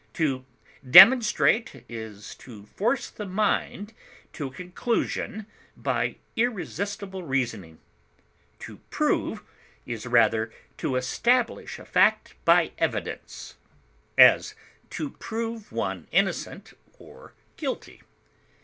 To demonstrate is to force the mind to a conclusion by irresistible reasoning; to prove is rather to establish a fact by evidence; as, to prove one innocent or guilty.